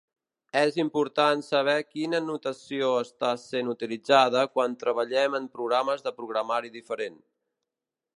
És important saber quina notació està sent utilitzada quan treballem en programes de programari diferent.